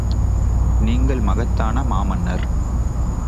நீங்கள் மகத்தான மாமன்னர்!